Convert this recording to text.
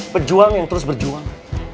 pejuang terus berjuang